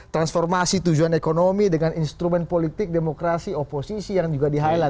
transformasi tujuan ekonomi dengan instrumen politik demokrasi oposisi yang juga di highlight